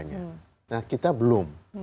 nah kita belum